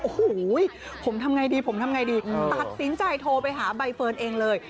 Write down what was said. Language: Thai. โอ้โหผมทำไงดีผมทำไงดีตัดสินใจโทรไปหาใบเฟิร์นเองเลย